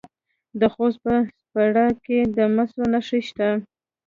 د خوست په سپیره کې د مسو نښې شته.